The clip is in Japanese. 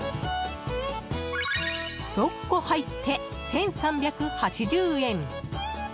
６個入って１３８０円。